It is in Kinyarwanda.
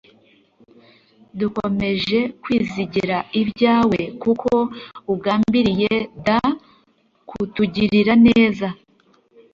Dukomeje kwizigira ibyawe kuko ugambiriye dkutugirira neza